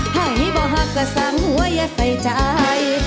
ให้บ่หากษันไว้ไฟจ่าย